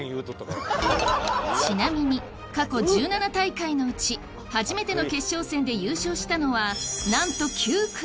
ちなみに、過去１７大会のうち初めての決勝戦で優勝したのはなんと９組！